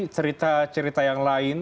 cerita cerita yang lain